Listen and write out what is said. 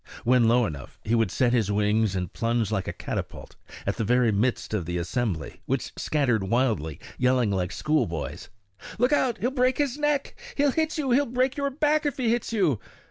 When low enough, he would set his wings and plunge like a catapult at the very midst of the assembly, which scattered wildly, yelling like schoolboys "Look out! he'll break his neck; he'll hit you; he'll break your back if he hits you."